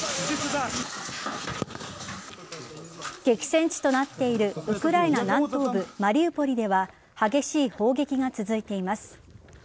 激戦地となっているウクライナ南東部マリウポリでは激しい砲撃が続いています。